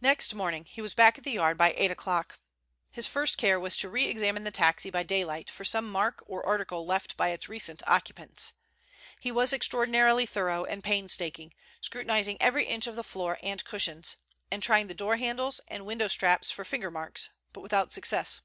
Next morning he was back at the Yard by eight o'clock. His first care was to re examine the taxi by daylight for some mark or article left by its recent occupants. He was extraordinarily thorough and painstaking, scrutinizing every inch of the floor and cushions, and trying the door handles and window straps for finger marks, but without success.